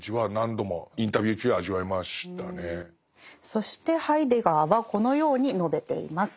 そしてハイデガーはこのように述べています。